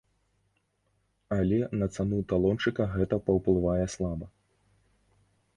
Але на цану талончыка гэта паўплывае слаба.